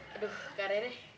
aduh kak rere